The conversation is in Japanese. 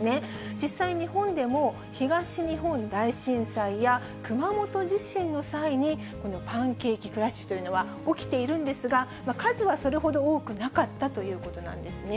実際に日本でも、東日本大震災や、熊本地震の際に、このパンケーキクラッシュというのは起きているんですが、数はそれほど多くなかったということなんですね。